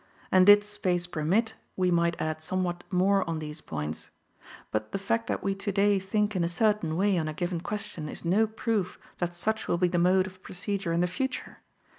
And did space permit, we might add somewhat more on these points. But the fact that we today think in a certain way on a given question is no proof that such will be the mode of procedure in the future.